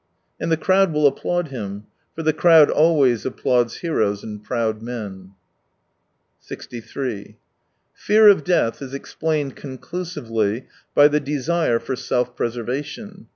And the crowd will applaud him, for the crowd always applauds heroes and proud men. 63 Fear of death is explained conclusively by the desire for self preservation.